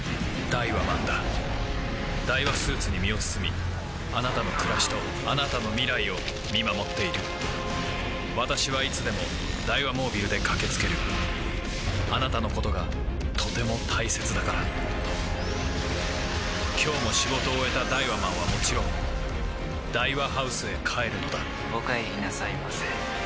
ダイワスーツに身を包みあなたの暮らしとあなたの未来を見守っている私はいつでもダイワモービルで駆け付けるあなたのことがとても大切だから今日も仕事を終えたダイワマンはもちろんダイワハウスへ帰るのだお帰りなさいませ。